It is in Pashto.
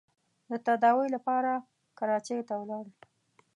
د تداوۍ لپاره کراچۍ ته ولاړ.